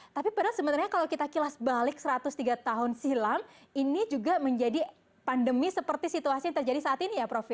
tapi padahal sebenarnya kalau kita kilas balik satu ratus tiga tahun silam ini juga menjadi pandemi seperti situasi yang terjadi saat ini ya prof